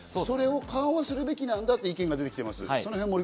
それを緩和するべきなんだという意見が出てきています。